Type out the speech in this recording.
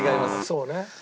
そうね。